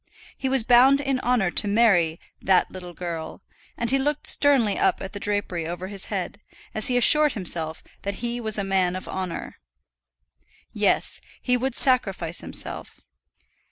He was bound in honour to marry "that little girl," and he looked sternly up at the drapery over his head, as he assured himself that he was a man of honour. Yes; he would sacrifice himself.